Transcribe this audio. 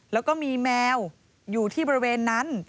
แล้วก็มีแมวอยู่ที่บริเวณนั้น